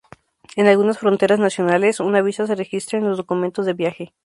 En algunas fronteras nacionales, una visa se registra en los documentos de viaje.